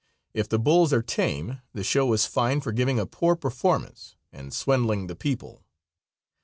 If the bulls are tame the show is fined for giving a poor performance and swindling the people.